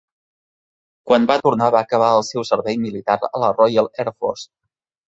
Quan va tornar va acabar el seu servei militar a la Royal Air Force.